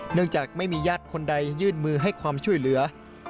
เนื่องจากไม่มีญาติคนใดยื่นมือให้ความช่วยเหลือ